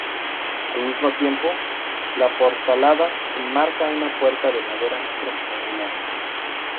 Al mismo tiempo, la portalada enmarca una puerta de madera rectangular.